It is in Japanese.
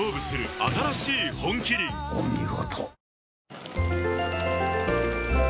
お見事。